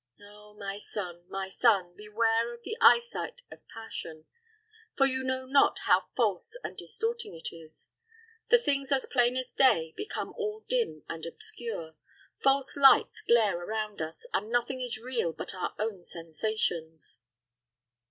Oh, my son, my son, beware of the eyesight of passion; for you know not how false and distorting it is. The things as plain as day become all dim and obscure, false lights glare around us, and nothing is real but our own sensations."